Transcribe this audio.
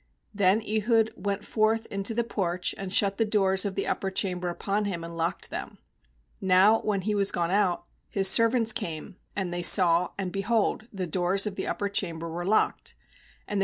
23Then Ehud went forth nto the porch, and shut the doors of the upper chamber upon him, and ocked them. ^Now when he was *one out, his servants came; and they aw, and, behold, the doors of the upper chamber were locked; and they 296 JUDGES 4.